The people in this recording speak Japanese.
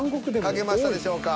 書けましたでしょうか。